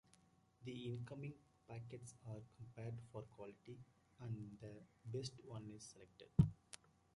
The incoming packets are compared for quality, and the best one is selected.